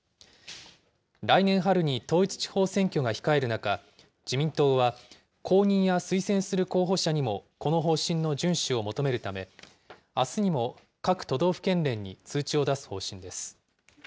来年春に統一地方選挙が控える中、自民党は公認や推薦する候補者にもこの方針の順守を求めるため、あすにも各都道府県連に通知を出す方針です。